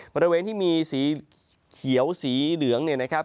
บริเวณที่มีสีเขียวสีเหลืองเนี่ยนะครับ